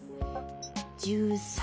１３？